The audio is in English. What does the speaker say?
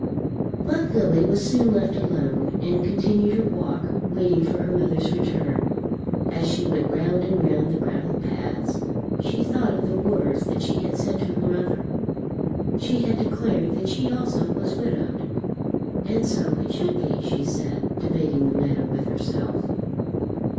But Lily was soon left alone, and continued her walk, waiting for her mother's return. As she went round and round the gravel paths, she thought of the words that she had said to her mother. She had declared that she also was widowed. "And so it should be," she said, debating the matter with herself.